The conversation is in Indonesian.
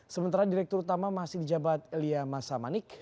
sementara direktur utama masih di jabat elia masamanik